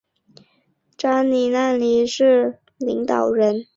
扎纳利尼是蒙泰菲奥里诺的领导人。